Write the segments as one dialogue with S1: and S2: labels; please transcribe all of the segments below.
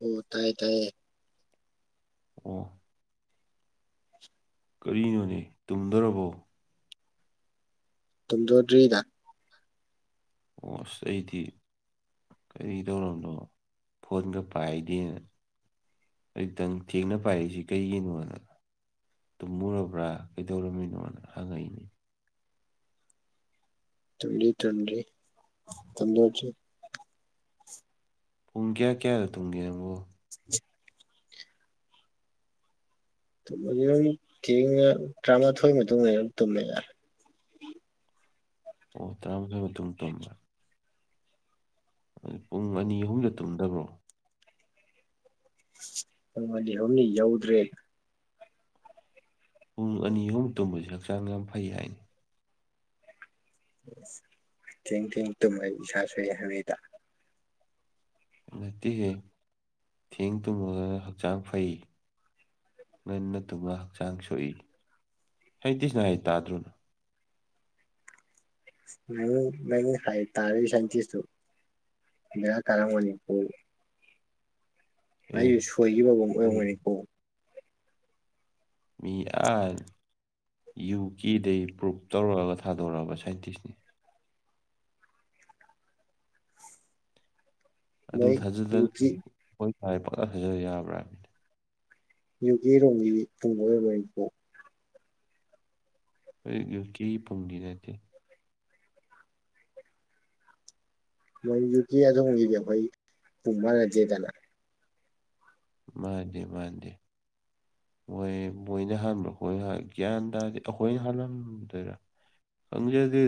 S1: ꯑꯣ ꯇꯥꯏꯌꯦ ꯇꯥꯏꯌꯦ꯫
S2: ꯑꯣ꯫ ꯀꯔꯤꯅꯣꯅꯦ ꯇꯨꯝꯗꯣꯔꯕꯣ꯫
S1: ꯇꯝꯗꯣꯗ꯭ꯔꯤꯗ꯫
S2: ꯑꯣꯁ ꯑꯩꯗꯤ꯫ ꯀꯩꯗꯧꯔꯕꯅꯣ ꯐꯣꯟꯒ ꯄꯥꯏꯗꯦꯅ꯫ ꯑꯩꯇꯪ ꯊꯦꯡꯅ ꯄꯥꯏꯔꯤꯖꯤ ꯀꯩꯒꯤꯅꯣꯅ꯫ ꯇꯨꯝꯃꯨꯔꯕ꯭ꯔꯥ ꯀꯩꯗꯧꯔꯝꯃꯤꯅꯣꯅ ꯍꯪꯉꯛꯏꯅꯦ꯫
S1: ꯇꯨꯝꯗꯤ ꯇꯨꯝꯗꯔꯤ ꯇꯨꯝꯗꯗꯔꯤ꯫
S2: ꯄꯨꯡ ꯀꯌꯥ ꯀꯌꯥꯗ ꯇꯨꯡꯒꯦ ꯅꯪꯕꯣ꯫
S1: [unintelligible] [unintelligible] ꯊꯦꯡꯉꯒ ꯇꯔꯥꯃꯥꯊꯣꯏꯒꯤ ꯃꯇꯨꯡ ꯑꯌꯥꯝꯕ ꯇꯨꯝꯃꯦꯗ꯫
S2: ꯑꯣ ꯇꯥꯥꯔꯃꯊꯣꯏꯕ ꯃꯇꯨꯡ ꯇꯨꯝꯕ꯫ ꯄꯨꯡ ꯑꯅꯤ ꯑꯍꯨꯝꯗ ꯇꯨꯝꯗꯕ꯭ꯔꯣ꯫
S1: [unintelligible] ꯌꯧꯗ꯭ꯔꯦꯗ꯫
S2: ꯄꯨꯡ ꯑꯅꯤ ꯑꯍꯨꯝ ꯇꯨꯝꯕꯖꯦ ꯍꯛꯆꯥꯡ ꯌꯥꯝ ꯐꯩ ꯍꯥꯏꯅꯦ꯫
S1: ꯊꯦꯡ ꯊꯦꯡ ꯇꯨꯝꯕꯖꯦ ꯏꯁꯥ ꯁꯣꯛꯑꯦ ꯍꯥꯏꯅꯩꯗ꯫
S2: ꯅꯠꯇꯤꯍꯦ ꯊꯦꯡ ꯇꯨꯝꯃꯒꯅ ꯍꯛꯆꯥꯡ ꯐꯩ꯫ ꯉꯟꯅ ꯇꯨꯝꯃ ꯍꯛꯆꯥꯡ ꯁꯣꯛꯏ ꯁꯥꯏꯟꯇꯤꯁꯅ ꯍꯥꯏ ꯇꯥꯗ꯭ꯔꯣꯅꯪ꯫
S1: ꯅꯪ ꯅꯪ ꯍꯥꯏ ꯇꯥꯏ ꯁꯥꯏꯟꯇꯤꯁꯇꯨ ꯕꯦꯔ ꯀꯥꯔꯝꯒꯅꯤ [unintelligible]
S2: ꯑꯦ
S1: ꯑꯩꯒꯤ ꯁꯣꯏꯒꯤꯕꯒ ꯑꯣꯏꯔꯝꯒꯅꯤꯀꯣ꯫
S2: ꯃꯤ ꯑ ꯌꯨ ꯀꯦꯗꯩ ꯄ꯭ꯔꯨꯄ ꯇꯧꯔꯛꯑꯒ ꯊꯥꯗꯣꯔꯛꯑꯕ ꯁꯥꯏꯟꯇꯤꯁꯅꯤ꯫ ꯑꯗꯨ
S1: ꯃꯣꯏ
S2: ꯊꯥꯖꯗꯅ
S1: ꯌꯨꯀꯤ
S2: ꯑꯣꯏ ꯍꯥꯏ ꯄꯪꯊꯥ ꯊꯥꯖꯕ ꯌꯥꯕ꯭ꯔꯥ꯫
S1: ꯌꯨ ꯀꯦꯔꯣꯝꯒꯤ [unintelligible]
S2: ꯑꯩ ꯌꯨ ꯀꯦꯒꯤ ꯄꯨꯡꯗꯤ ꯅꯠꯇꯦ꯫
S1: ꯃꯣꯏ ꯌꯨꯀꯦ ꯑꯗꯣꯝꯒꯤꯗꯤ ꯑꯩꯈꯣꯏ ꯄꯨꯡ ꯃꯅꯗꯦꯗꯅ꯫
S2: ꯃꯥꯟꯅꯗꯦ ꯃꯥꯟꯅꯗꯦ꯫ ꯃꯣꯏ ꯃꯣꯏꯅ ꯍꯟꯕꯔꯣ ꯑꯩꯈꯣꯏꯅ ꯍꯥꯟ ꯒ꯭ꯌꯥꯟ ꯇꯥꯗꯦ ꯑꯩꯈꯣꯏꯅ ꯍꯜꯂꯝꯗꯣꯏꯔꯥ꯫ ꯈꯪꯖꯗꯦ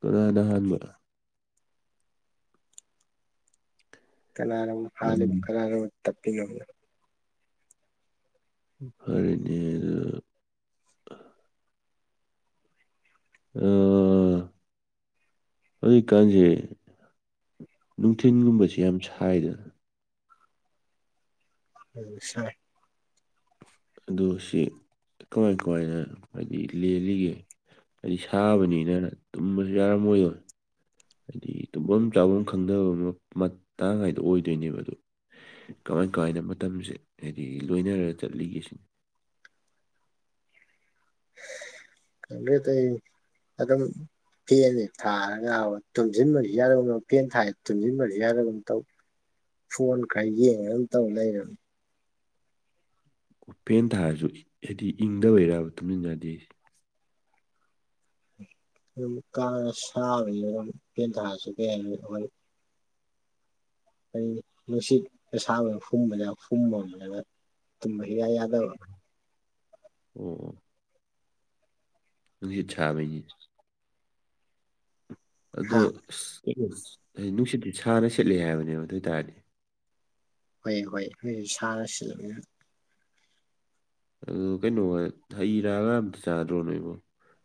S2: ꯀꯅꯥꯅꯍꯥꯟꯕꯅꯣ꯫
S1: ꯀꯅꯥꯅꯕꯨ
S2: ꯎꯝ
S1: ꯍꯥꯟꯂꯤꯅꯣ ꯀꯅꯥꯅꯕꯨ ꯇꯞꯄꯤꯅꯣ [unintelligible]
S2: [unintelligible] ꯑꯗꯨ [unintelligible] ꯍꯧꯖꯤꯛꯀꯥꯟꯁꯦ ꯅꯨꯡꯊꯤꯟꯒꯨꯝꯕꯁꯤ ꯌꯥꯝ ꯁꯥꯏꯗꯅ
S1: ꯎꯝ ꯁꯥꯏ
S2: ꯑꯗꯨ ꯁꯤ ꯀꯃꯥꯏ ꯀꯃꯥꯏꯅ ꯍꯥꯏꯗꯤ ꯂꯦꯜꯂꯤꯒꯦ ꯍꯥꯏꯗꯤ ꯁꯥꯕꯅꯤꯅ ꯇꯨꯝꯕꯁꯨ ꯌꯥꯔꯝꯃꯣꯏꯗꯣꯏ ꯍꯥꯏꯗꯤ ꯇꯨꯝꯐꯝ ꯆꯥꯐꯝ ꯈꯪꯗꯕ ꯃꯇꯥꯡ ꯍꯥꯏꯗꯣ ꯑꯣꯏꯗꯣꯏꯅꯦꯕ ꯑꯗꯨ ꯀꯃꯥꯏ ꯀꯃꯥꯏꯅ ꯃꯇꯝꯁꯦ ꯍꯥꯏꯗꯤ ꯂꯣꯏꯅꯔꯒ ꯆꯠꯂꯤꯒꯦ ꯁꯤꯅꯤ
S1: ꯈꯪꯗꯦ ꯇꯧꯔꯤꯁꯦ ꯑꯗꯨꯝ ꯐꯦꯟꯁꯦ ꯊꯥꯔꯒ ꯕ ꯇꯨꯝꯁꯤꯟꯕꯁꯨ ꯌꯥꯗꯒꯨꯝ ꯇꯧ ꯐꯦꯟ ꯊꯥꯏ ꯇꯨꯝꯁꯤꯟꯕꯁꯨ ꯌꯥꯗꯒꯨꯝ ꯇꯧ ꯐꯣꯟ ꯈꯔ ꯌꯦꯡꯉ ꯑꯗꯨꯝ ꯇꯧ ꯂꯩꯔꯦ
S2: ꯐꯦꯟ ꯊꯥꯔꯁꯨ ꯍꯥꯏꯗꯤ ꯏꯪꯗꯕꯩꯔ ꯇꯨꯝꯖꯤꯟ ꯌꯥꯗꯦ ꯍꯥꯏꯁꯦ
S1: ꯑꯗꯨꯝ ꯀꯥꯅ ꯁꯥꯕꯅꯤ [unintelligible] ꯑꯗꯨꯝ ꯐꯦꯟ ꯊꯥꯁꯨ ꯀꯩ ꯍꯥꯏ ꯑꯩꯈꯣꯏ ꯀꯔꯤ ꯅꯨꯡꯁꯤꯠ ꯑꯁꯥꯕꯅ ꯍꯨꯝꯕꯗ ꯍꯨꯝꯃꯃꯤꯅ ꯇꯨꯝꯕ ꯏꯌꯥ ꯌꯥꯗꯕ
S2: ꯎꯝ [unintelligible] ꯅꯨꯡꯁꯤꯠ ꯆꯥꯕꯩꯅꯤ ꯑꯗꯣ
S1: ꯍꯥ
S2: ꯑꯁ ꯀꯩꯅꯣ ꯍꯥꯏ ꯅꯨꯡꯁꯤꯠꯇ ꯁꯥꯅ ꯁꯦꯠꯂꯤ ꯍꯥꯏꯕꯅꯦꯕ ꯑꯗꯨ ꯑꯣꯏꯇꯥꯔꯗꯤ
S1: ꯍꯣꯏ ꯍꯣꯏ [unintelligible] ꯁꯥꯅ ꯁꯤꯠꯃꯤꯅ
S2: ꯑꯗꯨ ꯀꯩꯅꯣꯒ ꯍꯩ ꯔꯥꯒ ꯑꯝꯇ ꯆꯥꯗ꯭ꯔꯣ ꯅꯣꯏꯕꯣ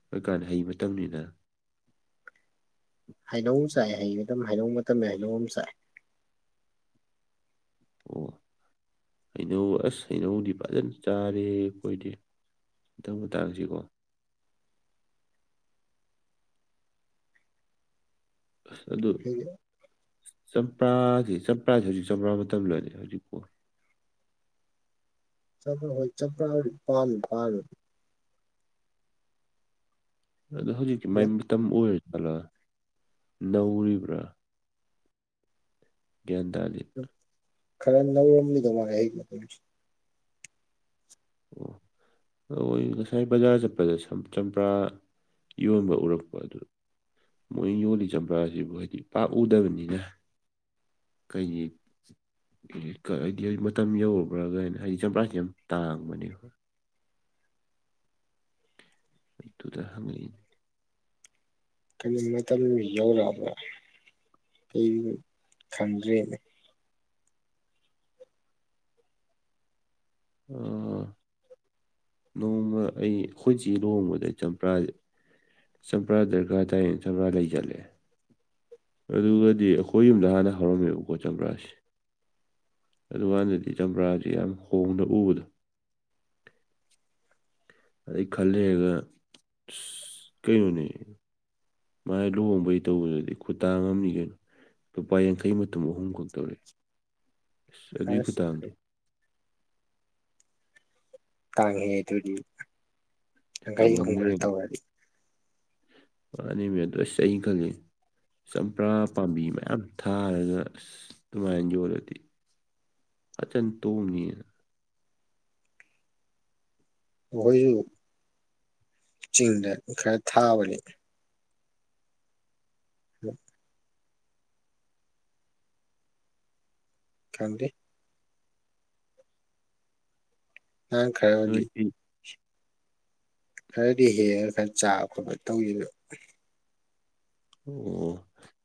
S2: ꯍꯧꯖꯤꯀꯥꯟ ꯍꯩ ꯃꯇꯝꯅꯤꯅ
S1: ꯍꯩꯅꯧ ꯆꯥꯏ ꯍꯩ ꯃꯇꯝ ꯍꯩꯅꯧ ꯃꯇꯝ ꯍꯩꯅꯧ ꯑꯃ ꯆꯥꯏꯦ
S2: ꯑꯣ ꯍꯩꯅꯧ ꯑꯁ ꯍꯩꯅꯧꯗꯤ ꯐꯖꯅ ꯆꯥꯔꯦ ꯑꯩꯈꯣꯏꯗꯤ [unintelligible] ꯃꯇꯥꯡꯁꯤꯀꯣ ꯑꯁ ꯑꯗꯨ ꯆꯝꯄ꯭ꯔꯥꯁꯦ ꯆꯝꯄ꯭ꯔꯥꯁꯦ ꯍꯧꯖꯤꯛ ꯆꯝꯄ꯭ꯔꯥ ꯃꯇꯝꯔꯅꯦ ꯍꯧꯖꯤꯛꯄꯣ
S1: [unintelligible] ꯍꯣꯏ ꯆꯄ꯭ꯔꯥ ꯄꯥꯜꯗꯤ ꯄꯥꯜꯕꯅꯤ
S2: ꯑꯗꯣ ꯍꯧꯖꯤꯛꯇꯤ ꯃꯥꯏ ꯃꯇꯝ ꯑꯣꯏꯔꯖꯥꯠꯂꯥ ꯅꯧꯔꯤꯕ꯭ꯔꯥ ꯒ꯭ꯌꯥꯟ ꯇꯥꯥꯗꯦ
S1: ꯈꯔ ꯅꯧꯔꯝꯃꯤꯗꯧ ꯃꯥꯂꯦ ꯑꯩꯒꯤ [unintelligible]
S2: ꯑꯣ ꯑꯣꯏ ꯉꯁꯥꯏ ꯕꯖꯥꯔ ꯆꯠꯄꯗ ꯆꯝꯄ꯭ꯔꯥ ꯌꯣꯟꯕ ꯎꯔꯛꯄ ꯑꯗꯨ ꯃꯣꯏ ꯌꯣꯜꯂꯤ ꯆꯝꯄ꯭ꯔꯥꯁꯤꯕꯨ ꯍꯥꯏꯗꯤ ꯄꯥꯛꯎꯗꯕꯅꯤꯅ ꯀꯩꯒꯤ ꯍꯥꯏꯗꯤ ꯃꯇꯝ ꯌꯧꯔꯕ꯭ꯔꯥꯒꯅ ꯍꯥꯏꯗꯤ ꯆꯝꯄ꯭ꯔꯥꯁꯤ ꯌꯥꯝ ꯇꯥꯡꯕꯅꯦ [unintelligible]
S1: ꯍꯩ ꯃꯇꯝꯁꯦ ꯌꯧꯔꯛꯑꯕ꯭ꯔꯥ ꯑꯩ ꯈꯪꯗ꯭꯭ꯔꯦꯅꯦ
S2: ꯑꯣ ꯅꯣꯡꯃ ꯑꯩ ꯑꯩꯈꯣꯏ ꯆꯦ ꯂꯨꯍꯣꯡꯕꯗ ꯆꯝꯄꯔꯥꯁꯦ ꯆꯝꯄ꯭ꯔꯥ ꯗꯔꯀꯥꯔ ꯇꯥꯏꯌꯦ ꯆꯝꯄ꯭ꯔꯥ ꯂꯩ ꯆꯠꯂꯦ ꯑꯗꯨꯒꯗꯤ ꯑꯩꯈꯣꯏ ꯌꯨꯝꯗ ꯍꯥꯟꯅ ꯍꯧꯔꯝꯃꯦꯕꯀꯣ ꯆꯝꯄ꯭ꯔꯥꯁꯦ ꯑꯗꯨꯀꯥꯟꯗꯗꯤ ꯆꯝꯄ꯭ꯔꯥꯥꯁ ꯌꯥꯝ ꯍꯣꯡꯅ ꯎꯕꯗꯣ ꯑꯗꯩ ꯈꯔꯂꯩꯔꯒ ꯑ ꯀꯩꯅꯣꯅꯦ ꯃꯥꯏ ꯂꯨꯍꯣꯡꯕꯩ ꯇꯧꯕꯗꯨꯗꯤ ꯈꯨꯇꯇꯥ ꯑꯃꯅꯤ ꯀꯩꯅꯣ ꯂꯨꯄꯥ ꯌꯥꯡꯈꯩ ꯃꯇꯨꯝ ꯑꯍꯨꯝꯈꯛ ꯇꯧꯔꯛꯑꯦ ꯑꯁ ꯑꯗꯨꯏ
S1: ꯑꯁ
S2: ꯈꯨꯊꯥꯡꯗꯣ
S1: ꯇꯥꯡꯉꯦꯍꯦ ꯑꯗꯨꯗꯤ ꯌꯥꯡꯈꯩ ꯑꯍꯨꯝ ꯈꯛ
S2: ꯇꯥꯡꯃꯟꯈ꯭ꯔꯦ
S1: ꯇꯧꯔꯗꯤ
S2: ꯋꯥꯅꯦꯃꯦ ꯑꯗꯣ ꯑꯁ ꯑꯩ ꯈꯪꯉꯦ ꯆꯝꯄ꯭ꯔꯥ ꯄꯥꯝꯕꯤ ꯃꯌꯥꯝ ꯊꯥꯔꯒ ꯑꯗꯨꯃꯥꯏꯅ ꯌꯣꯜꯂꯗꯤ ꯐꯖꯟ ꯇꯣꯡꯉꯤꯅ
S1: ꯑꯩꯈꯣꯏꯁꯨ ꯆꯤꯡꯗ ꯈꯔ ꯊꯥꯕꯅꯤ [unintelligible] ꯈꯟꯗꯦ ꯅꯡ ꯈꯔ ꯒꯤ
S2: ꯅꯣꯏꯗꯤ
S1: ꯈꯔꯗꯤ ꯍꯦꯛꯉ ꯈꯔ ꯆꯥꯕ ꯈꯣꯠꯄ ꯇꯧꯈꯤꯕꯕ
S2: ꯑꯣ ꯑꯣ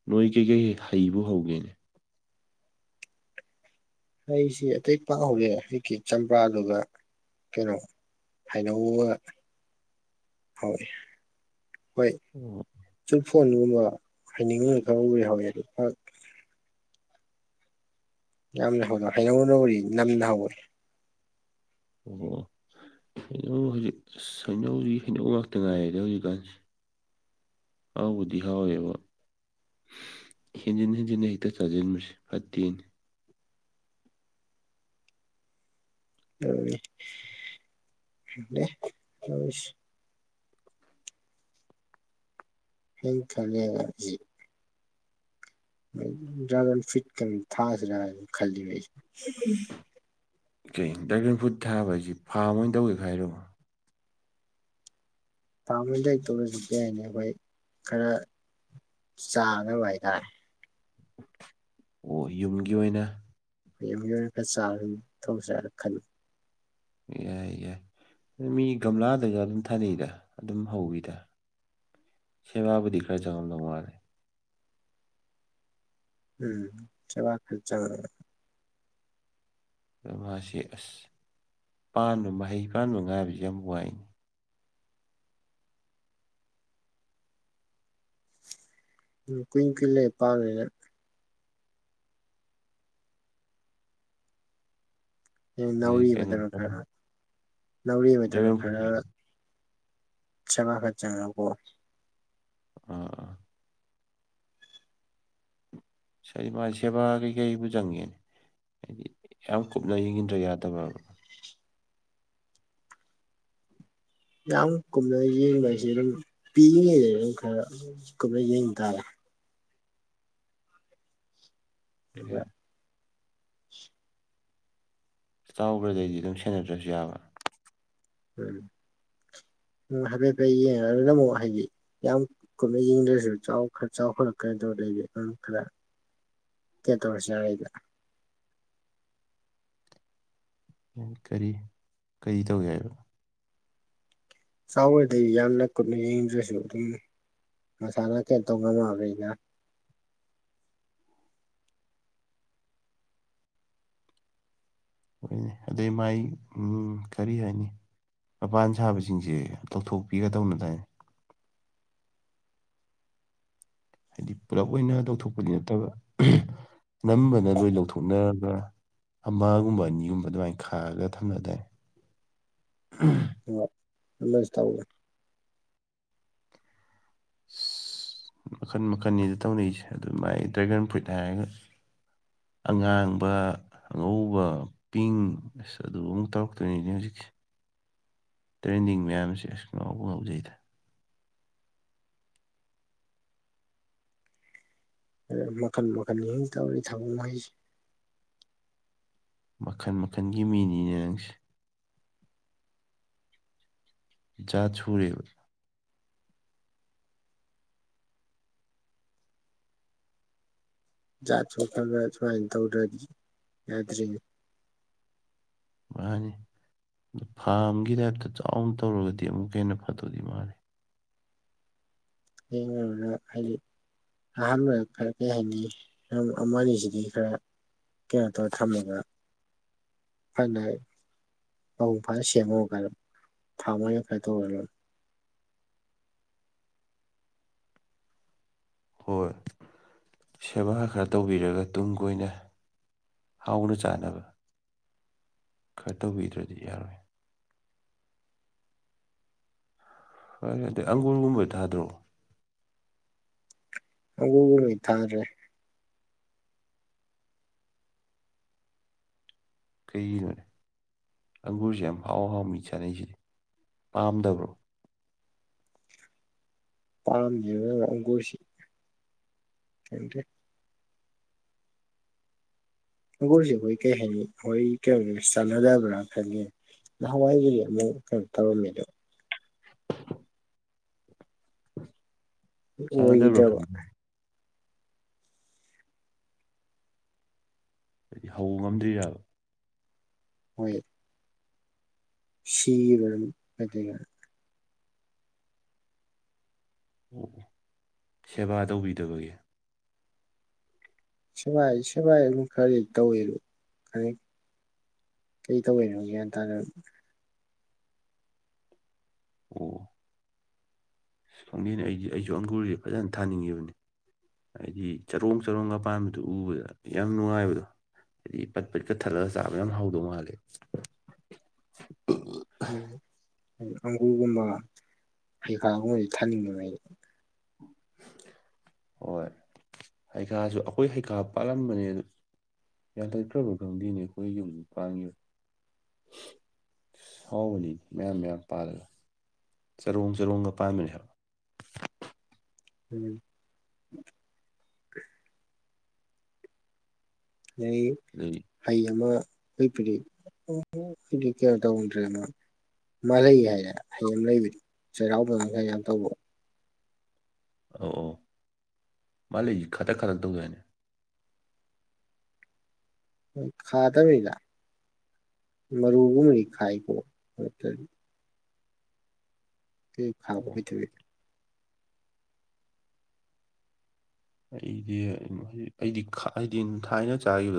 S2: ꯅꯣꯏ ꯀꯩꯀꯩ ꯍꯩꯕꯨ ꯍꯧꯒꯦꯅꯦ
S1: ꯑꯩꯁꯤ ꯑꯇꯩ ꯄꯥꯡꯍꯧꯔꯦ ꯍꯧꯖꯤꯛꯀꯤ ꯆꯝꯄ꯭ꯔꯥꯗꯨꯒ ꯀꯩꯅꯣ ꯍꯩꯅꯧ ꯒꯥ ꯍꯧꯏ ꯍꯣꯏ
S2: ꯎꯝ
S1: ꯁ ꯐꯣꯟꯒꯨꯝꯕ ꯍꯥꯏꯅꯤꯡꯉꯅ ꯈꯔ ꯎ ꯌꯥꯎꯋꯤ ꯑꯗꯨ ꯌꯥꯝ ꯍꯗ ꯍꯩꯅꯅꯧꯔꯤ ꯅꯝꯅ ꯍꯧꯔꯤ
S2: ꯑꯣ ꯍꯩꯅꯧ ꯍꯧꯖꯤꯛ ꯁꯩꯅꯧꯁꯤ ꯍꯩꯅꯧ ꯉꯥꯛꯇ ꯉꯥꯏꯔꯦꯅꯦ ꯍꯧꯖꯤꯛꯀꯥꯟꯁꯤꯦ ꯍꯥꯎꯕꯨꯗꯤ ꯍꯥꯎꯋꯦꯕ ꯍꯦꯟꯖꯤꯟ ꯍꯦꯟꯖꯤꯟꯅ ꯍꯦꯛꯇ ꯆꯥꯖꯤꯟꯕꯁꯤ ꯐꯠꯇꯦꯅꯦ
S1: ꯎꯝ [unintelligible] ꯍꯩꯌꯦꯟ ꯈꯔꯥꯉꯦꯕ ꯗ꯭ꯔꯥꯒꯟ ꯐꯤꯠ ꯀ ꯊꯥꯁꯤꯔꯥ ꯍꯥꯏꯅ ꯈꯜꯂꯤꯕ ꯑꯩꯁꯦ
S2: ꯀꯩ ꯗ꯭ꯔꯥꯒꯟ ꯐ꯭ꯔꯨꯗ ꯊꯥꯕ ꯍꯥꯏꯁꯤ ꯐꯥꯝ ꯑꯣꯏꯅ ꯇꯧꯒꯦ ꯍꯥꯏꯔꯣ
S1: ꯐꯥꯔ ꯍꯦꯟ ꯂꯩꯛꯇꯧꯔꯁꯨ ꯀꯔꯤ ꯍꯥꯏꯅꯤ ꯑꯩꯈꯣꯏ ꯈꯔ ꯆꯥꯈꯔꯥ ꯕ ꯍꯥꯏꯇꯥꯔꯦ
S2: ꯑꯣ ꯌꯨꯝꯒꯤ ꯑꯣꯏꯅ
S1: ꯑꯩ ꯃꯤꯑꯣꯣꯏꯔ ꯈꯔ ꯆꯥꯔ ꯑꯗꯨꯝ ꯊꯣꯡꯁꯤꯔꯅ ꯈꯜꯂꯤꯉ
S2: ꯌꯥꯏ ꯌꯥꯏ ꯃꯤ ꯒꯝꯂꯥꯗꯒ ꯑꯗꯨꯝ ꯊꯥꯅꯩꯗ ꯑꯗꯨꯝ ꯍꯧꯋꯤꯗ ꯁꯦꯕꯥꯕꯨꯗꯤ ꯈꯔ ꯆꯪꯉꯝꯗꯧ ꯃꯥꯂꯦ
S1: ꯎꯝ ꯁꯦꯕꯥ ꯈꯔ ꯆꯪ
S2: ꯑꯗꯣ ꯃꯥꯁꯤ ꯑꯁ ꯄꯥꯟꯕ ꯃꯍꯩ ꯄꯥꯟꯕ ꯉꯥꯏꯕꯁꯤ ꯌꯥꯝ ꯋꯥꯏꯅꯤ
S1: ꯎꯝ ꯀꯨꯏ ꯀꯨꯢ ꯂꯩꯔꯥ ꯄꯟꯕꯅꯤꯅꯥ ꯍꯌꯦ
S2: ꯅꯣꯏ ꯀꯩꯅꯣ
S1: ꯅꯥꯎꯔꯤꯕꯗꯧꯔ ꯈꯔ ꯅꯧ ꯔꯤ ꯃꯇꯝꯗ
S2: ꯗ꯭ꯔꯥꯒꯟ ꯐ꯭ꯔꯨꯠ
S1: ꯈꯔ ꯁꯕ ꯈꯔ ꯆꯪꯉꯒꯀꯣ
S2: ꯑ ꯉꯗꯤ ꯃꯥ ꯁꯦꯕꯥ ꯀꯩꯀꯩꯕꯨ ꯆꯪꯉꯦꯅꯦ ꯍꯥꯏꯗꯤ ꯌꯥꯝ ꯀꯨꯞꯅ ꯌꯦꯡꯈꯤꯟꯗ꯭ꯔ ꯌꯥꯗꯕꯕ
S1: ꯌꯥꯝ ꯀꯨꯞꯅ ꯌꯦꯡꯕ ꯍꯥꯏꯁꯦ ꯑꯗꯨꯝ ꯄꯤꯔꯤꯉꯩꯗ ꯑꯗꯨꯝ ꯈꯔ ꯀꯨꯞꯅ ꯌꯦꯡꯕ ꯇꯥꯔꯦ ꯎ
S2: ꯆꯥꯎꯈ꯭ꯔꯗꯩꯗꯤ ꯑꯗꯨꯝ ꯁꯦꯟꯅꯗ꯭ꯔꯁꯨ ꯌꯥꯕ꯭ꯔꯥ
S1: ꯎꯝ ꯎꯝ ꯍꯥꯏꯐꯦꯠ ꯍꯥꯏꯐꯦꯠ ꯌꯦꯡꯉꯒ ꯑꯗꯨꯅ ꯑꯃꯨꯛ ꯍꯥꯏꯗꯤ ꯌꯥꯝ ꯀꯨꯅ ꯌꯦꯡꯗ꯭ꯔꯁꯨ ꯈꯔ ꯆꯥꯎꯈꯂꯛꯀ꯭ꯔꯗꯣ ꯂꯩꯕꯗꯩ ꯈꯔ ꯦꯠꯇ ꯋꯥꯔꯁ ꯍꯥꯏꯗ [unintelligible]
S2: ꯀꯔꯤ ꯀꯔꯤ ꯇꯧ ꯌꯥꯏꯕ
S1: ꯆꯥꯎ ꯈꯔꯥꯗꯩ ꯌꯥꯝꯅ ꯀꯨꯠꯅ ꯌꯦꯡꯗ꯭ꯔꯁꯨ ꯑꯗꯨꯝ ꯃꯁꯥꯅ ꯀꯩꯅꯣ ꯇꯧ ꯉꯝꯃꯕ ꯑꯩꯒ
S2: ꯎꯝ ꯑꯗꯩ ꯃꯥꯏ ꯎꯝ ꯀꯔꯤ ꯍꯥꯏꯅꯤ ꯃꯄꯥꯟ ꯁꯥꯕꯁꯤꯡꯁꯦ ꯇꯧꯊꯣꯛꯄꯤꯒꯗꯧꯅ ꯇꯥꯏ ꯍꯥꯏꯗꯤ ꯄꯨꯂꯞ ꯑꯣꯏꯅ ꯇꯧꯊꯣꯛꯄꯗꯤ ꯅꯠꯇꯕ ꯅꯝꯕꯅ ꯂꯣꯏ ꯂꯧꯊꯣꯛꯅꯔꯒ ꯑꯃꯒꯨꯝꯕ ꯑꯅꯤꯒꯨꯝꯕ ꯑꯗꯨꯃꯥꯏꯅ ꯈꯥꯔꯒ ꯊꯝꯅ ꯇꯔꯦ
S1: ꯍ ꯑꯗꯨꯏꯁ ꯇꯧꯑ
S2: ꯑꯁ ꯃꯈꯟ ꯃꯈꯟꯅꯤꯗ ꯇꯧꯅꯔꯤꯁꯦ ꯑꯗꯨ ꯃꯥꯏ ꯗ꯭ꯔꯦꯒꯟ ꯐ꯭ꯔꯨꯏꯠ ꯍꯥꯏꯔꯒ ꯑꯉꯥꯡꯕ ꯑꯉꯧꯕ ꯄꯤꯡ ꯑꯁ ꯑꯗꯨꯕꯨ ꯑꯃꯨꯛ ꯇꯧꯔꯛꯇꯣꯏꯔꯤꯅꯦ ꯍꯧꯖꯤꯛꯀꯤ ꯇ꯭ꯔꯦꯟꯗꯤꯡ ꯃꯌꯥꯝꯁꯦ ꯑꯁ ꯉꯕꯨ ꯉꯥꯎꯖꯩꯗ
S1: ꯃꯈꯟ ꯃꯈꯜ ꯇꯧꯔꯤ ꯊꯕꯛꯉꯩꯁꯤ
S2: ꯃꯈꯜ ꯃꯈꯜꯒꯤ ꯃꯤꯅꯤꯅꯦ ꯅꯪꯁꯦ ꯖꯥꯠ ꯁꯨꯔꯦꯕ
S1: ꯖꯥꯠ ꯁꯣ ꯈ꯭ꯔ ꯒ꯭ꯔ ꯁꯨꯃꯥꯏ ꯇꯧꯗ꯭ꯔꯗꯤ ꯌꯥꯗ꯭ꯔꯤꯑꯦ
S2: ꯃꯥꯅꯤ ꯐꯥꯝꯒꯤ ꯇꯥꯏꯞꯇ ꯆꯥꯎꯅ ꯇꯧꯔꯒꯗꯤ ꯑꯃꯨꯛꯀꯥ ꯍꯦꯟꯅ ꯐꯗꯣꯏꯗꯤ ꯃꯜꯂꯦ
S1: ꯌꯦꯡꯉꯥꯔꯨꯔꯥ ꯍꯥꯏꯗꯤ ꯑꯍꯥꯟꯕꯗ ꯈꯔ ꯀꯩ ꯍꯥꯏꯅꯤ ꯑꯝ ꯑꯃꯅꯤ ꯁꯤꯗꯤ ꯈꯔ ꯀꯩꯅꯣ ꯇꯧꯋꯦ ꯊꯝꯃꯒꯥ [unintelligible] ꯃꯄꯨꯡ ꯐꯥꯅ ꯁꯦꯡꯉꯣ ꯀꯥꯏꯔꯞ ꯊꯥ ꯃꯥꯔꯤꯔꯛ ꯀꯥꯏ ꯇꯧꯔ ꯂꯣꯏꯔꯦ
S2: ꯍꯣꯏ ꯁꯦꯕꯥ ꯈꯔ ꯇꯧꯕꯤꯔꯒ ꯇꯨꯡ ꯀꯣꯏꯅ ꯍꯥꯎꯅ ꯆꯥꯅꯕ ꯈꯔ ꯇꯧꯕꯤꯗ꯭ꯔꯗꯤ ꯌꯥꯔꯣꯏ ꯍꯣꯏ [unintelligible] ꯑꯪꯒꯨꯔ ꯒꯨꯝꯕ ꯊꯥꯗ꯭ꯔꯣ?
S1: ꯑꯪꯒꯨꯔꯒꯨꯕꯗꯤ ꯊꯥꯗ꯭ꯔꯦ
S2: ꯀꯩꯒꯤꯅꯣꯅꯦ ꯑꯪꯒꯨꯔꯁꯦ ꯌꯥꯝ ꯍꯥꯎ ꯍꯥꯎ ꯃꯤ ꯆꯥꯅꯩꯁꯤꯗꯤ ꯄꯥꯝꯗꯕ꯭ꯔꯣ?
S1: ꯄꯥꯝꯗꯦꯗ ꯑꯪꯒꯨꯔꯁꯤ ꯈꯡꯗꯦ ꯑꯪꯒꯨꯔꯁꯦ ꯑꯩꯈꯣꯏ ꯀꯩ ꯍꯥꯏꯅꯤ ꯍꯣꯏ ꯀꯩꯅꯣꯒꯩꯒꯥ ꯆꯥꯟꯅꯗꯕ꯭ꯔꯥ ꯈꯪꯉꯦ ꯅꯍꯥꯟꯋꯥꯏꯗꯨꯗꯤ ꯑꯃꯨꯛ ꯀꯩꯅꯣ ꯇꯧꯔꯝꯃꯦꯗꯣ [unintelligible]
S2: ꯆꯥꯟꯅꯗꯕ꯭ꯔꯣ
S1: ꯑꯣꯏꯈꯤꯗꯕ
S2: ꯈꯪꯗꯦ ꯍꯥꯏꯗꯤ ꯍꯧ ꯉꯝꯗ꯭ꯔꯤꯔꯕ?
S1: ꯍꯣꯏ ꯁꯤꯒꯤ ꯃꯔꯝ ꯑꯗꯩꯒ
S2: ꯑꯣ ꯑꯣ ꯁꯦꯕꯥ ꯇꯧꯕꯤꯗꯕꯒꯤ?
S1: ꯁꯦꯕꯥꯥꯏ ꯁꯦꯕꯥꯥꯏ ꯑꯗꯨꯝ ꯈꯔꯗꯤ ꯇꯧꯋꯦꯗꯣ [unintelligible] ꯀꯩ ꯇꯧꯋꯦꯅꯣ ꯒ꯭ꯌꯥꯟ ꯇꯥ [unintelligible]
S2: ꯑꯣ ꯑꯣ ꯑꯁ ꯗꯪꯗꯦꯅꯦ ꯑꯩꯗꯤ ꯑꯩꯁꯨ ꯑꯪꯒꯨꯔꯗꯤ ꯐꯖꯅ ꯊꯥꯅꯤꯡꯉꯤꯕꯅꯤ ꯍꯥꯏꯗꯤ ꯆꯔꯣꯡ ꯆꯔꯣꯡꯒ ꯄꯥꯟꯕꯗꯨ ꯎꯕꯗ ꯌꯥꯝ ꯅꯨꯡꯉꯥꯏꯕꯗꯣ ꯍꯥꯏꯗꯤ ꯄꯠ ꯄꯠꯀꯠ ꯊꯠꯂꯒ ꯆꯥꯕ ꯌꯥꯝ ꯍꯥꯎꯗꯧ ꯃꯥꯜꯂꯦ
S1: [unintelligible] ꯑꯪꯒꯨꯔꯒꯨꯝꯕ ꯍꯩꯈꯥꯒꯨꯝꯕꯁꯤ ꯊꯥꯅꯤꯡꯉꯦꯕ ꯑꯩ
S2: ꯍꯣꯏ ꯍꯩꯈꯥꯁꯨ ꯑꯈꯣꯏ ꯍꯩꯈꯥ ꯄꯥꯜꯂꯝꯕꯅꯦ ꯑꯗꯨ ꯌꯥꯟꯊꯠꯈ꯭ꯔꯕ ꯈꯪꯗꯦꯅꯦ ꯈꯣꯏꯌꯨꯝ ꯄꯟꯒꯤ [unintelligible] [unintelligible] ꯍꯥꯎꯕꯅꯤ ꯃꯌꯥꯝ ꯃꯌꯥꯝ ꯄꯥꯜꯂꯒ ꯆꯔꯣꯡ ꯆꯔꯣꯡꯒ ꯄꯥꯟꯕꯅꯤ ꯍꯥꯏꯕ
S1: ꯎꯝ ꯂꯩ
S2: ꯂꯩ
S1: ꯍꯩ ꯑꯃ ꯍꯦꯞꯄꯒꯤ [unintelligible] ꯍꯧꯗꯤ ꯀꯌꯥ ꯇꯧꯗ꯭ꯔꯦꯅ ꯃꯥ ꯂꯩ ꯍꯥꯏꯑꯦ ꯍꯩ ꯑꯝ ꯂꯩꯕꯗꯤ ꯆꯩꯔꯥꯎꯕꯒ ꯒꯥ ꯌꯥꯝ ꯇꯧꯕ
S2: ꯑꯧ ꯑꯧ ꯃꯥ ꯂꯩ ꯈꯥꯇꯛ ꯈꯥꯇꯛ ꯇꯧꯗꯥꯏꯅꯦ?
S1: ꯈꯥꯗꯧꯔꯤꯗ ꯃꯔꯨꯒꯨꯝꯕꯗꯤ ꯈꯥꯏꯀꯣ [unintelligible] [unintelligible] ꯈꯥꯕ
S2: ꯑꯣ
S1: [unintelligible]
S2: ꯑꯩꯗꯤ [unintelligible] ꯑꯩꯗꯤ ꯈꯥ ꯍꯥꯏꯗꯤ [unintelligible] ꯊꯥꯏꯅ ꯆꯥꯈꯤꯕ